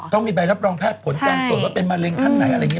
ต้องมีใบรับรองแพทย์ผลการตรวจว่าเป็นมะเร็งขั้นไหนอะไรอย่างนี้